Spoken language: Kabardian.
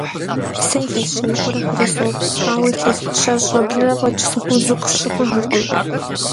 Сэ илъэс щэныкъуэрэ хырэ сохъу, ауэ илъэс щэщӏрэ блырэ фӏэкӏ сыхъуу зыкъысщыхъужыркъым.